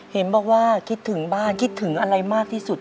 เห็นบอกว่าคิดถึงบ้านคิดถึงอะไรมากที่สุด